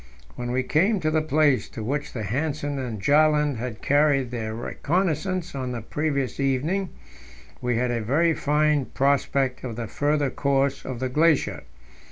When we came to the place to which Hanssen and Bjaaland had carried their reconnaissance on the previous evening, we had a very fine prospect of the further course of the glacier.